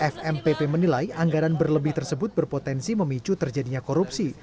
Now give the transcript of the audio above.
fmppp menilai anggaran berlebih tersebut berpotensi memicu terjadinya korupsi